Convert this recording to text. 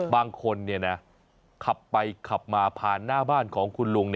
คนขับไปขับมาผ่านหน้าบ้านของคุณลุง